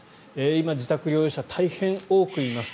今、自宅療養者大変多くいます。